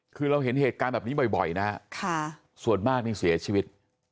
คือเราเห็นเหตุการณ์แบบนี้บ่อยนะฮะส่วนมากนี่เสียชีวิต